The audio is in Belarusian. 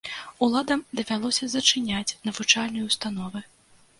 Уладам давялося зачыняць навучальныя ўстановы.